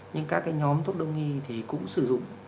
nhưng các nhóm thuốc đông y thì cũng sử dụng